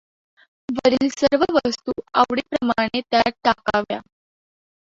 वरील सर्व वस्तू आवडीप्रमाणे त्यात टाकाव्या.